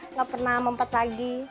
nggak pernah mempet lagi